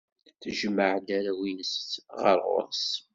Tejmeɛ-d arraw-nnes ɣer ɣur-s.